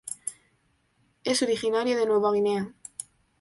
Es originaria de Nueva Guinea.